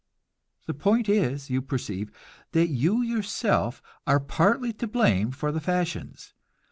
The point is, you perceive, that you yourself are partly to blame for the fashions.